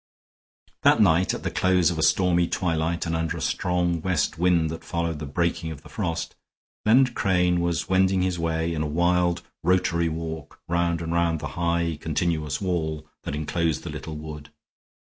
That night, at the close of a stormy twilight and under a strong west wind that followed the breaking of the frost, Leonard Crane was wending his way in a wild rotatory walk round and round the high, continuous wall that inclosed the little wood.